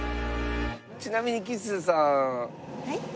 ちなみに吉瀬さん。